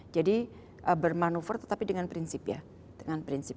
jadi bermanuver tetapi dengan prinsip ya dengan prinsip